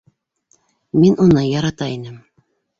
Мин уны ярата инем.